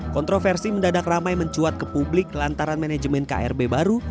kontroversi mendadak ramai mencuat ke publik lantaran manajemen krb baru